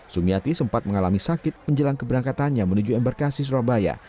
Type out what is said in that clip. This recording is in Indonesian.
sumiati sempat mengalami sakit menjelang keberangkatannya menuju embarkasi surabaya